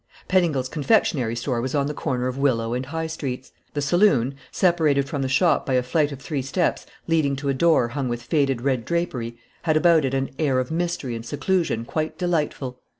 Pettingil's confectionery store was on the corner of Willow and High Streets. The saloon, separated from the shop by a flight of three steps leading to a door hung with faded red drapery, had about it an air of mystery and seclusion quite delightful.